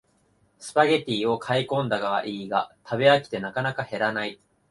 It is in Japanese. スパゲティを買いこんだはいいが食べ飽きてなかなか減らない